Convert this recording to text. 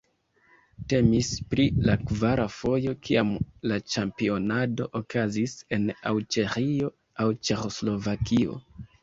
Temis pri la kvara fojo kiam la ĉampionado okazis en aŭ Ĉeĥio aŭ Ĉeĥoslovakio.